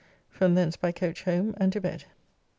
From thence by coach home, and to bed.